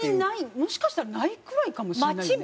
もしかしたらないくらいかもしれないよね。